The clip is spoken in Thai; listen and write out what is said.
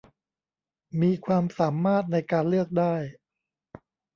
มีความสามารถในการเลือกได้